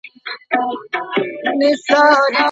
طبي پوهنځۍ بې ارزوني نه تایید کیږي.